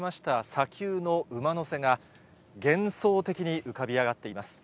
砂丘の馬の背が、幻想的に浮かび上がっています。